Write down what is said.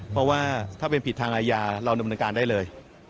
เพราะว่าถ้าเป็นผิดทางอาญาเราดำเนินการได้เลย